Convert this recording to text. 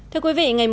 thưa quý vị